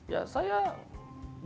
ya saya bersyukur dan